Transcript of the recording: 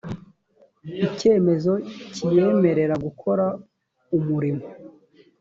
icyemezo kiyemerera gukora umurimo